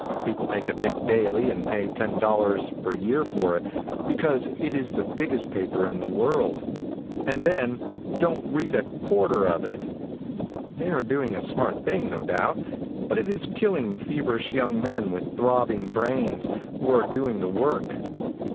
People take a big daily and pay $10 per year for it because it is the biggest paper in the world, and then don't read a quarter of it. They are doing a smart thing, no doubt, but it is killing the feverish young men with throbbing brains, who are doing the work.